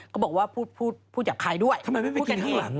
ก็บอกว่าพูดจากใครด้วยพูดกันดี